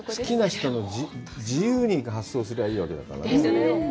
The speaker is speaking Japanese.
好きな人の自由に発想すればいいわけだからね。